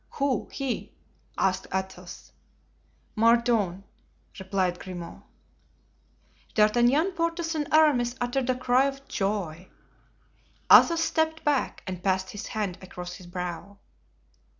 "Who? He?" asked Athos. "Mordaunt," replied Grimaud. D'Artagnan, Porthos and Aramis uttered a cry of joy. Athos stepped back and passed his hand across his brow.